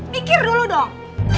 pikir dulu dong